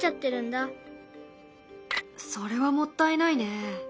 それはもったいないね。